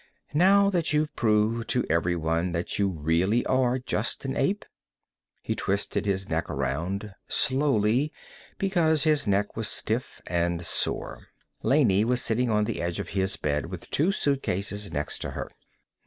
"Now that you've proved to everyone that you really are just an ape?" He twisted his neck around slowly, because his neck was stiff and sore. Laney was sitting on the edge of his bed with two suitcases next to her.